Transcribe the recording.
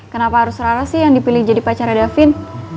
kenapa harus rara sih yang dipilih jadi pacarnya davin